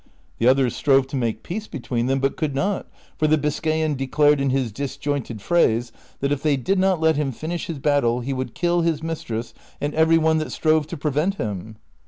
The others strove to make peace between them, but could not, for the Biscayan declared in his disjointed phrase that if they did not let him finish his battle he would kill his mistress and every one that strove to prevent him.